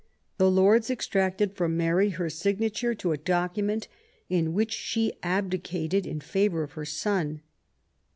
*' The Lords extracted from Mary her signature to a document in which she abdicated in favour of her son.